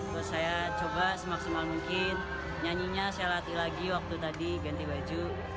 terus saya coba semaksimal mungkin nyanyinya saya latih lagi waktu tadi ganti baju